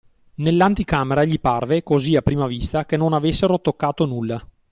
Nell'anticamera gli parve, così a prima vista, che non avessero toccato nulla.